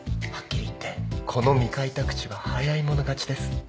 はっきり言ってこの未開拓地は早い者勝ちです。